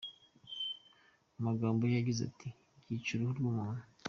Mu magambo ye yagize ati: “byica uruhu rw’umuntu.